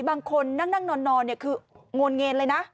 บางคนนั่งนอนคืองวนเงนเลยนะ